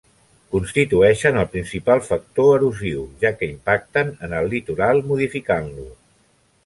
Constitueixen el principal factor erosiu, ja que impacten en el litoral modificant-lo.